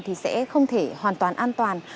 thì sẽ không thể hoàn toàn an toàn